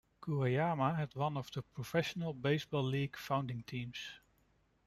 Guayama had one the Professional Baseball League foundingTeams.